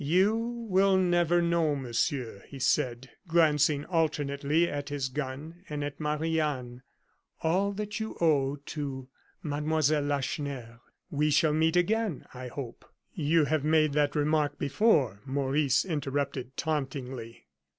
"You will never know, Monsieur," he said, glancing alternately at his gun and at Marie Anne, "all that you owe to Mademoiselle Lacheneur. We shall meet again, I hope " "You have made that remark before," Maurice interrupted, tauntingly.